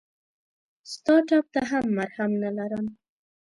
ستا ټپ ته مرهم نه لرم !